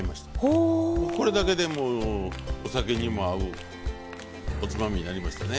これだけでもうお酒にも合うおつまみになりましたね。